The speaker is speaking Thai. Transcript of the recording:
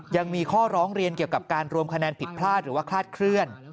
ยังมีข้อร้องเรียนเกี่ยวกับการรวมคะแนนผิดพลาดหรือว่าคลาดเคลื่อน